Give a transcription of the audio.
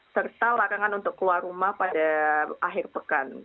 serta larangan untuk keluar rumah pada akhir pekan